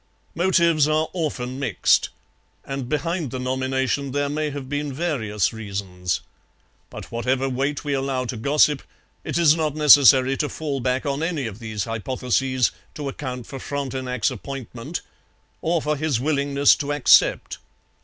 Motives are often mixed; and behind the nomination there may have been various reasons. But whatever weight we allow to gossip, it is not necessary to fall back on any of these hypotheses to account for Frontenac's appointment or for his willingness to accept.